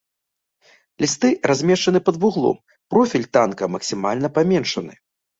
Лісты размешчаны пад вуглом, профіль танка максімальна паменшаны.